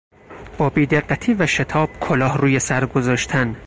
با بیدقتی و شتاب کلاه روی سر گذاشتن